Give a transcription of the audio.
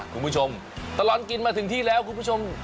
คุณผู้ชมตลอดกินมาถึงที่แล้วคุณผู้ชม